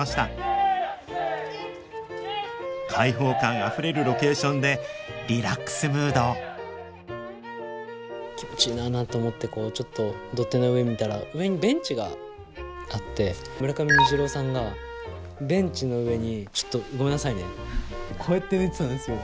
開放感あふれるロケーションでリラックスムード気持ちいいなあなんて思ってこうちょっと土手の上見たら上にベンチがあって村上虹郎さんがベンチの上にちょっとごめんなさいねこうやって寝てたんですよ。